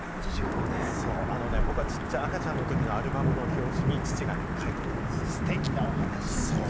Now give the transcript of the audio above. ちっちゃい赤ちゃんのときのアルバムの表紙に父がね、書いていたステキなお話じゃないですか。